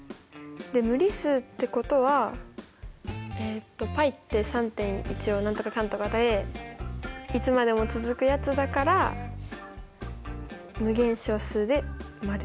で無理数ってことはえっとπって３．１４何とかかんとかでいつまでも続くやつだから無限小数で○。